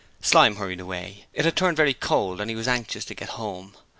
Slyme hurried away; it had turned very cold, and he was anxious to get home.